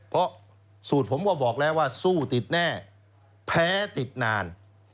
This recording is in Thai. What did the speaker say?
เพราะสูตรผมก็บอกแล้วว่าสู้ติดแน่แพ้ติดนาน